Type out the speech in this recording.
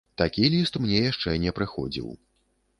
Такі ліст мне яшчэ не прыходзіў.